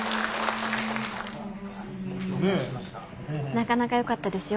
なかなか良かったですよ